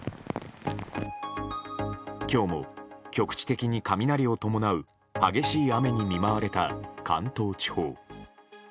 今日も局地的に雷を伴う激しい雨に見舞われた関東地方。